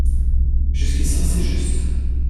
Jusqu’ici, c’est juste